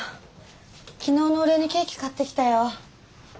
昨日のお礼にケーキ買ってきたよ。